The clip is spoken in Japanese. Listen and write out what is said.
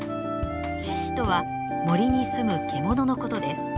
「しし」とは森にすむ獣のことです。